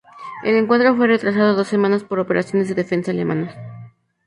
El encuentro fue retrasado dos semanas, por operaciones de defensa alemanas.